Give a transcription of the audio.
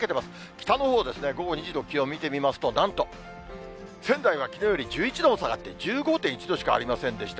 北のほうの午後２時の気温見てみますと、なんと仙台はきのうより１１度も下がって、１５．１度しかありませんでした。